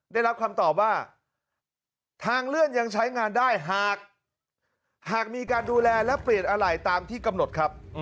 ได้รับคำตอบว่าทางเลื่อนยังใช้งานได้หากมีการดูแลและเปลี่ยนอะไหล่ตามที่กำหนดครับ